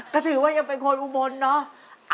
ก็ถือว่ายังเป็นคนอุบลเนอะ